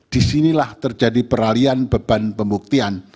disinilah terjadi peralian beban pembuktian